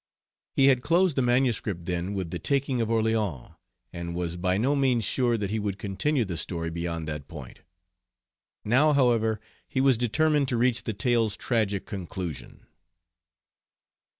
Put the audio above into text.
He had closed the manuscript then with the taking of Orleans, and was by no means sure that he would continue the story beyond that point. Now, however, he was determined to reach the tale's tragic conclusion.